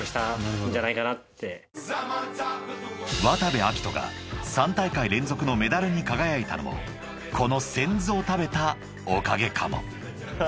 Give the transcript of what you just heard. ［渡部暁斗が３大会連続のメダルに輝いたのもこの仙豆を食べたおかげかも］